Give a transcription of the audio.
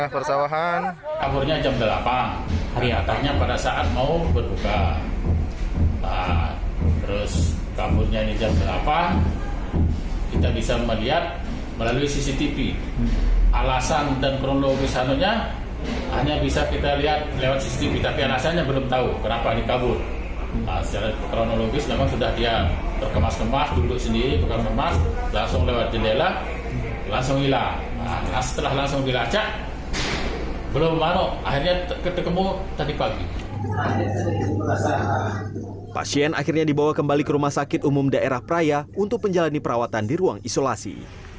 pasien akhirnya dibawa kembali ke rumah sakit umum daerah peraya untuk menjalani perawatan di ruang isolasi